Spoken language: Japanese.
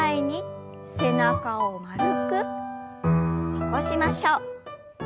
起こしましょう。